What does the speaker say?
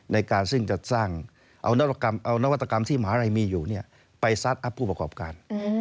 ในการซึ่งจัดสร้างเอานวัตกรรมที่มหาลัยมีอยู่ไปซัดอัพผู้ประกอบการ